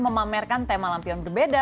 memamerkan tema lampion berbeda